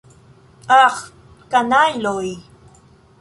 Aĥ, kanajloj!